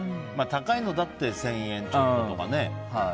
高いのだって１０００円ちょっととかね。